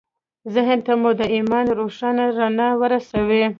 ذهن ته مو د ایمان روښانه رڼا ورسوئ